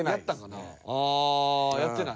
ああやってない。